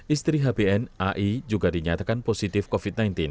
istri hbn ai juga dinyatakan positif covid sembilan belas